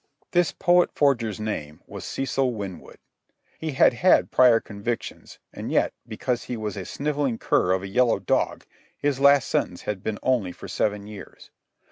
This poet forger's name was Cecil Winwood. He had had prior convictions, and yet, because he was a snivelling cur of a yellow dog, his last sentence had been only for seven years.